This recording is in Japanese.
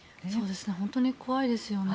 本当に怖いですよね。